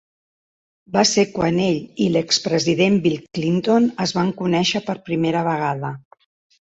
Va ser quan ell i l'expresident Bill Clinton es van conèixer per primera vegada.